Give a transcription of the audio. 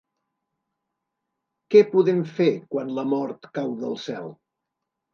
Què podem fer quan la mort cau del cel?.